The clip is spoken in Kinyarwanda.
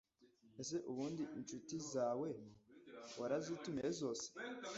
ese ubundi inshuti zawe warazitumiye zose!’